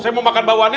saya mau makan bawahnya